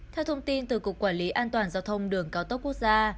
theo thông tin từ cục quản lý an toàn giao thông đường cao tốc quốc gia